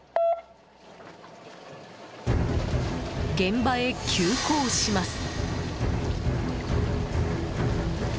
現場へ急行します。